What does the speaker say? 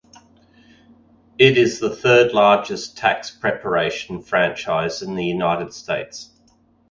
It is the third largest tax preparation franchise in the United States.